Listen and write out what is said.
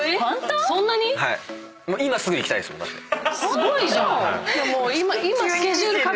すごいじゃん。